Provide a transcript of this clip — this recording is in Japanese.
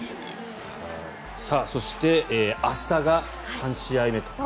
そして明日が３試合目と。